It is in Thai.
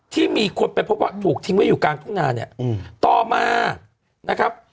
ที่มีคนไปพบว่าถูกทิ้งไว้อยู่กลางทุ่งนาเนี่ยต่อมานะครับ